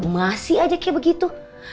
masih aja kayak begitu